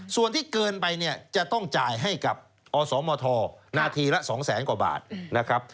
ส่วนที่เกินไปจะต้องจ่ายให้กับอมธนาทีละ๒๐๐๐๐๐กว่าบาท